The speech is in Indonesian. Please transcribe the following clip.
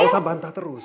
gak usah bantah terus